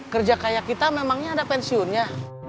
kerja kayak kita memangnya ada pensiunnya